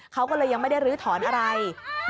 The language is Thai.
เขาก็เลยยังไม่ได้ลื้อถอนอะไร